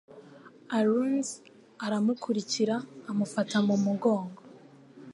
Aruns aramukurikira amufata mu mugongo